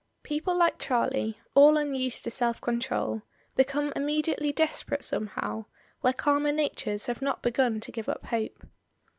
People like Charlie, all unused to self control, become immediately desperate somehow, where calmer natures have not begun to give up hope.